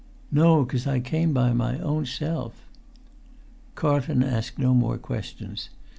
"No, 'cos I came by my own self." Carlton asked no more questions.